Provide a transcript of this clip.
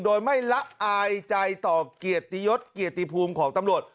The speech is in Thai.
โดยไม่ละอายใจต่อเกียรติยศเกียรติภูมิของตำรวจ